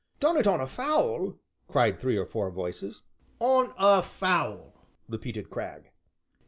"Done it on a foul?" cried three or four voices. "On a foul!" repeated Cragg.